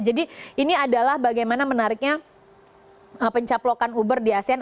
ini adalah bagaimana menariknya pencaplokan uber di asean